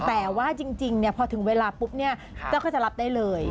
แต่ว่าจริงพอถึงเวลาปุ๊บเนี่ยเจ้าก็จะรับได้เลย